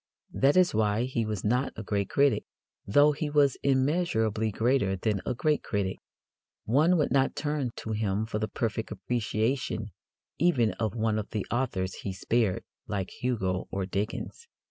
That is why he was not a great critic, though he was immeasurably greater than a great critic. One would not turn to him for the perfect appreciation even of one of the authors he spared, like Hugo or Dickens.